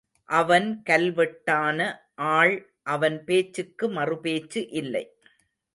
அவன் கல்வெட்டான ஆள் அவன் பேச்சுக்கு மறு பேச்சு இல்லை.